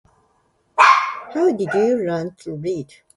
How did you run to [unintelligible]